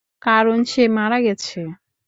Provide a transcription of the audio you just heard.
কারণ, সে মারা গেছে।